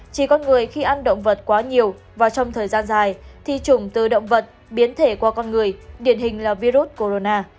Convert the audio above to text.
chỉ con người khi ăn động vật quá nhiều và trong thời gian dài thì chủng từ động vật biến thể qua con người điển hình là virus corona